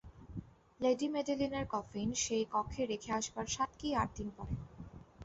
Lady মেডেলিনের coffin সেই কক্ষে রেখে আসবার সাত কি আট দিন পরে।